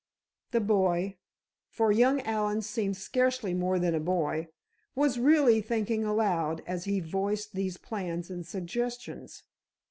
The boy—for young Allen seemed scarcely more than a boy—was really thinking aloud as he voiced these plans and suggestions.